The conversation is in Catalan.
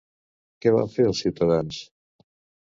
Què van fer els ciutadans?